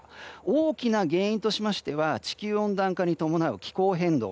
大きな原因としましては地球温暖化に伴う気候変動